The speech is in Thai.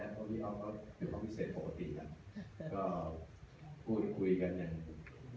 เพราะพี่ออฟก็อยู่ที่ห้องพิเศษปกติน่ะก็คุยคุยกันเนี่ย